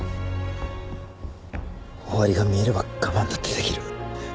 終わりが見えれば我慢だってできる。